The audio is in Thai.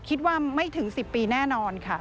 คิดว่าไม่ถึง๑๐ปีแน่นอนค่ะ